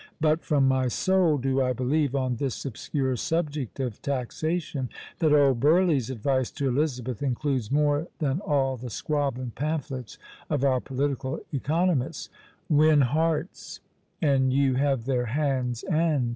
but from my soul do I believe, on this obscure subject of taxation, that old Burleigh's advice to Elizabeth includes more than all the squabbling pamphlets of our political economists, "WIN HEARTS, AND YOU HAVE THEIR HANDS AND PURSES!"